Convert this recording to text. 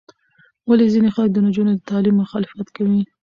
ولې ځینې خلک د نجونو د تعلیم مخالفت کوي؟